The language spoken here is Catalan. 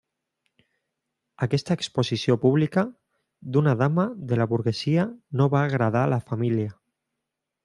Aquesta exposició pública d'una dama de la burgesia no va agradar la família.